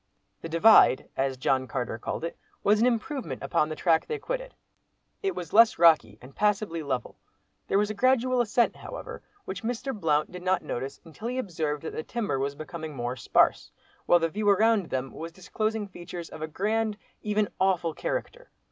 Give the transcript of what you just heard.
"The Divide," as John Carter called it, was an improvement upon the track they quitted. It was less rocky, and passably level. There was a gradual ascent however, which Mr. Blount did not notice until he observed that the timber was becoming more sparse, while the view around them was disclosing features of a grand, even awful character.